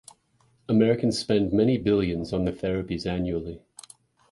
Americans spend many billions on the therapies annually.